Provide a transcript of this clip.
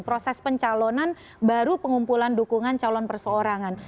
proses pencalonan baru pengumpulan dukungan calon perseorangan